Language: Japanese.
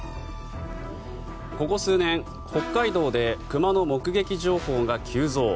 ここ数年、北海道で熊の目撃情報が急増。